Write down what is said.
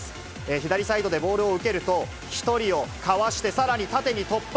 左サイドでボールを受けると、１人をかわしてさらに縦に突破。